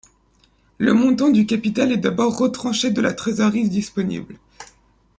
Le montant du capital est d'abord retranché de la trésorerie disponible.